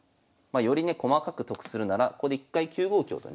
よりね細かく得するならここで一回９五香とね。